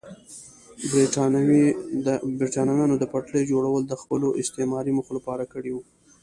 برېټانویانو د پټلۍ جوړول د خپلو استعماري موخو لپاره کړي وو.